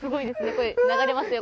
これ流れますよ